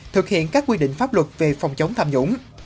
thực hiện các quy định pháp luật về phòng chống tham nhũng